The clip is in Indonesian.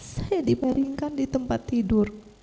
saya dibaringkan di tempat tidur